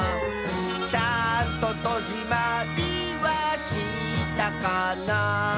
「ちゃんととじまりはしたかな」